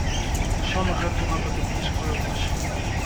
Усё нагадвала тады блізкую восень.